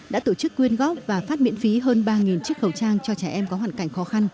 đã tổ chức quyên góp và phát miễn phí hơn ba chiếc khẩu trang cho trẻ em có hoàn cảnh khó khăn